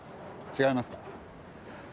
違いますか？